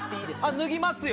脱ぎますよ